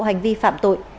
hành vi phạm tội